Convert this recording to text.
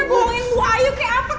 bawain gua ayo kek apa kek